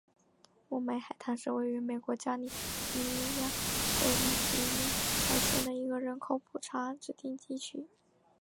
孟买海滩是位于美国加利福尼亚州因皮里尔县的一个人口普查指定地区。